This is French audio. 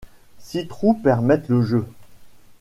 Six trous permettent le jeu.